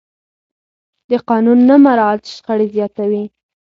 د قانون نه مراعت شخړې زیاتوي